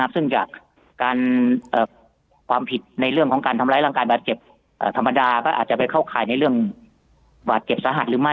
ซึ่งจากการความผิดในเรื่องของการทำร้ายร่างกายบาดเจ็บธรรมดาก็อาจจะไปเข้าข่ายในเรื่องบาดเจ็บสาหัสหรือไม่